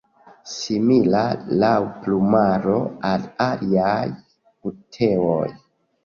Simila laŭ plumaro al aliaj buteoj.